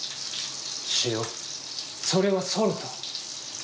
塩それはソルト。